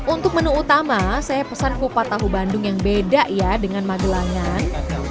untuk menu utama saya pesan kupat tahu bandung yang beda ya dengan magelangan